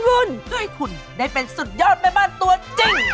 ขึ้นเพื่อให้คุณได้เป็นสุดยอดแม่บ้านตัวจริง